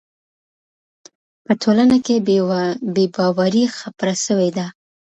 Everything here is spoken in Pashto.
په ټولنه کي بې باوري خپره سوې ده.